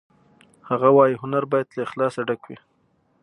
هغه وایی هنر باید له اخلاصه ډک وي